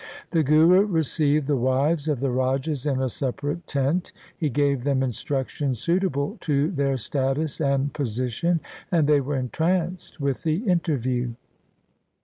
The Guru received the wives of the rajas in a separate tent He gave them instruction suitable to their status and position, and they were entranced with the interview.